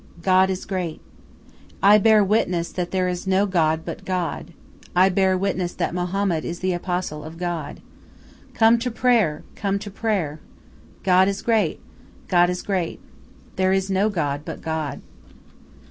God is great ... I bear witness that there is no god but God. ... I bear witness that Mohammed is the Apostle of God. ... Come to prayer! Come to prayer! ... God is great. God is great. There is no god but God."